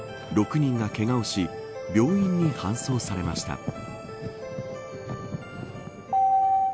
６人がけがをし病院に搬送されました。